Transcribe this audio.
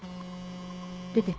出て。